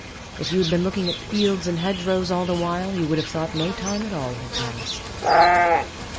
If you had been looking at fields and hedgerows all the while, you would have thought no time at all had passed.